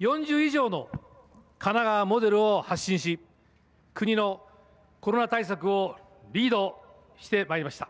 ４０以上の神奈川モデルを発信し、国のコロナ対策をリードしてまいりました。